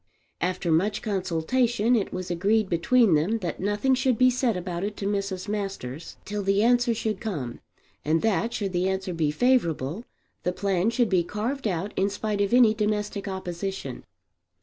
After much consultation it was agreed between them that nothing should be said about it to Mrs. Masters till the answer should come; and that, should the answer be favourable, the plan should be carried out in spite of any domestic opposition.